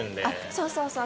そうそうそう。